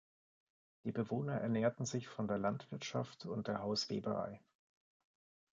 Die Bewohner ernährten sich von der Landwirtschaft und der Hausweberei.